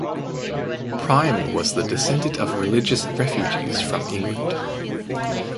Prime was the descendant of religious refugees from England.